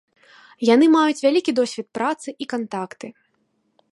Яны маюць вялікі досвед працы і кантакты.